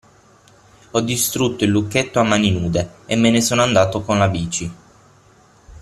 Ho distrutto il lucchetto a mani nude e me ne sono andato con la bici.